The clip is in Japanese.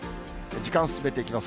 時間進めていきます。